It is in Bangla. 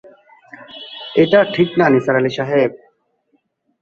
এটা ঠিক না নিসার আলি সাহেব।